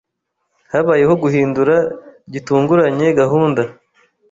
Habayeho guhindura gitunguranye gahunda.